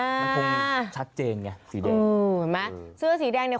มันคงชัดเจนไงสีแดงเออเห็นไหมเสื้อสีแดงเนี่ย